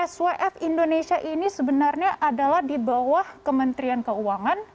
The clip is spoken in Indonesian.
swf indonesia ini sebenarnya adalah di bawah kementerian keuangan